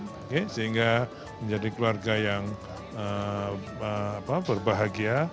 oke sehingga menjadi keluarga yang berbahagia